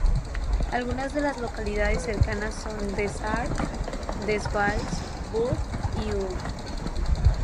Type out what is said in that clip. Algunas de las localidades cercanas son Des Arc, De Valls Bluff y Ulm.